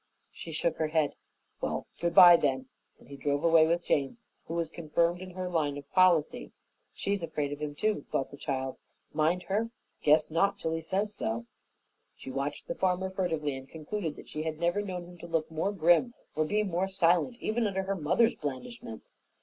She shook her head. "Well, goodbye, then," and he drove away with Jane, who was confirmed in her line of policy. "She's afraid of 'im too," thought the child. "Mind her! Guess not, unless he says so." She watched the farmer furtively and concluded that she had never known him to look more grim or be more silent even under her mother's blandishments.